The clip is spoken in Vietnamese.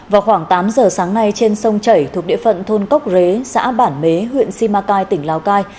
vào khoảng tám giờ sáng nay trên sông chảy thuộc địa phận thôn cốc rế xã bản mế huyện simacai tỉnh lào cai